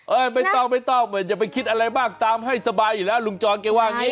ไม่ต้องไม่ต้องเหมือนจะไปคิดอะไรบ้างตามให้สบายอยู่แล้วลุงจรแกว่าอย่างนี้